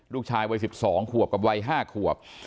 ลูกชายวัย๑๒ขวบกับวัย๕ขวบ